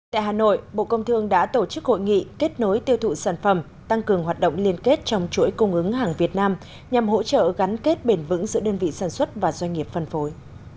tại hà nội bộ công thương đã tổ chức hội nghị kết nối tiêu thụ sản phẩm tăng cường hoạt động liên kết trong chuỗi cung ứng hàng việt nam nhằm hỗ trợ gắn kết bền vững giữa đơn vị sản xuất và doanh nghiệp phân phối